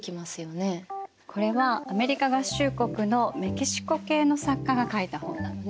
これはアメリカ合衆国のメキシコ系の作家が書いた本なのね。